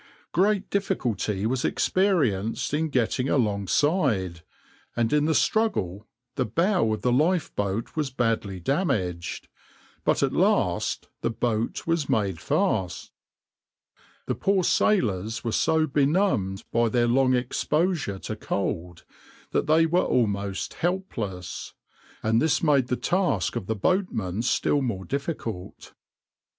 \par Great difficulty was experienced in getting alongside, and in the struggle the bow of the lifeboat was badly damaged, but at last the boat was made fast. The poor sailors were so benumbed by their long exposure to cold that they were almost helpless, and this made the task of the boatmen still more difficult.